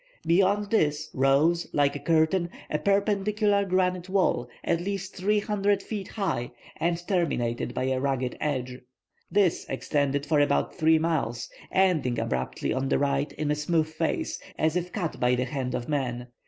Beyond this rose, like a curtain, a perpendicular granite wall, at least 300 feet high and terminated by a ragged edge. This extended for about three miles, ending abruptly on the right in a smooth face, as if cut by the hand of man.